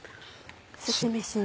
すし飯に。